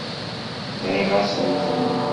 Nɣiɣ-asent-tent.